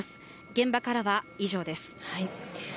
現場からは以上です。